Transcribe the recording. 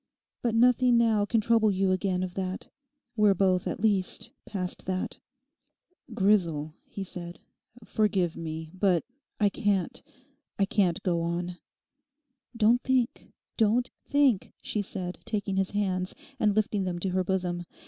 But nothing now can trouble you again of that. We're both at least past that.' 'Grisel,' he said, 'forgive me, but I can't—I can't go on.' 'Don't think, don't think,' she said, taking his hands, and lifting them to her bosom.